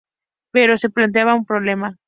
Pero se planteaba un problema.